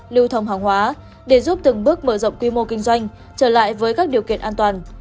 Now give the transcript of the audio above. lưu thông hàng hóa để giúp từng bước mở rộng quy mô kinh doanh trở lại với các điều kiện an toàn